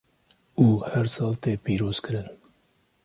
û her sal tê pîrozkirin.